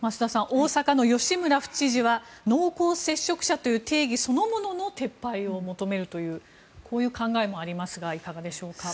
大阪の吉村府知事は濃厚接触者という定義そのものの撤廃を求めるというこういう考えもありますがいかがでしょうか？